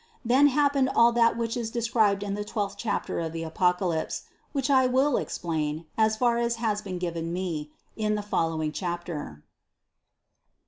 Then happened all that which is described in the twelfth chapter of the Apocalypse, which I will explain, as far as it has been given me, in the following chapter.